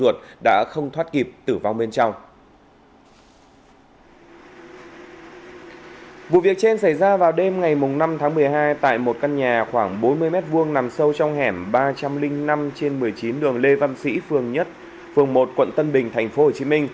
các nhà khoảng bốn mươi m hai nằm sâu trong hẻm ba trăm linh năm trên một mươi chín đường lê văn sĩ phường một quận tân bình tp hcm